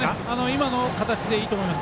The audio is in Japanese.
今の形でいいと思います。